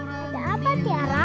ada apa tiara